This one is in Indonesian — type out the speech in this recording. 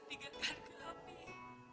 tinggalkan gelap ini